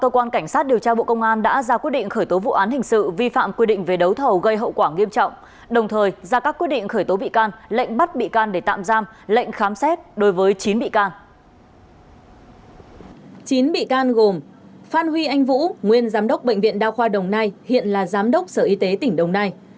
quang huy anh vũ nguyên giám đốc bệnh viện đao khoa đồng nai hiện là giám đốc sở y tế tỉnh đồng nai